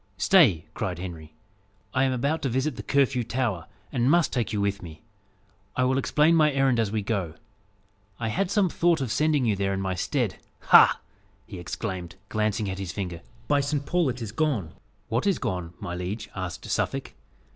"Stay!" cried Henry, "I am about to visit the Curfew Tower, and must take you with me. I will explain my errand as we go. I had some thought of sending you there in my stead. Ha!" he exclaimed, glancing at his finger, "By Saint Paul, it is gone!" "What is gone, my liege?" asked Suffolk.